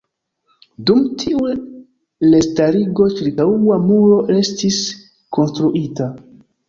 Dum tiu restarigo ĉirkaŭa muro estis konstruita.